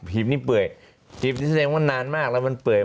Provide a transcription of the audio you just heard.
นี่เปื่อยหีบนี่แสดงว่านานมากแล้วมันเปื่อย